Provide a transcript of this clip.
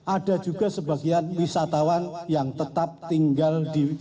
ada juga sebagian wisatawan yang tetap tinggal di